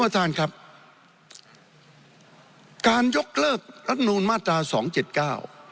ท่านประธานครับ